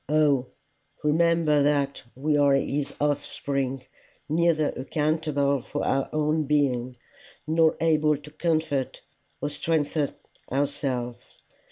O remember that we are his offspring, neither accountable for our own being, nor able to comfort or strengthen ourselves.